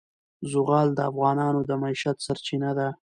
زغال د افغانانو د معیشت سرچینه ده.